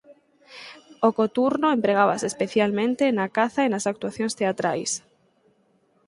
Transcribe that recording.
O coturno empregábase especialmente na caza e nas actuación teatrais.